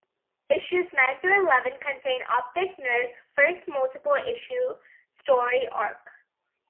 Issues nine through eleven contain Optic Nerve's first multiple issue story arc.